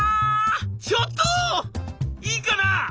ちょっといいかな？」。